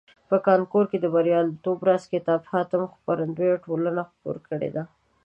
په کانکور کې د بریالیتوب راز کتاب حاتم خپرندویه ټولني خپور کړیده.